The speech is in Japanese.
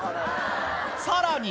さらに。